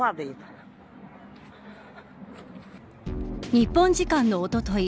日本時間のおととい